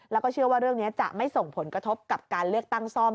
แล้วก็เชื่อว่าเรื่องนี้จะไม่ส่งผลกระทบกับการเลือกตั้งซ่อม